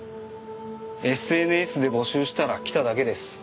ＳＮＳで募集したら来ただけです。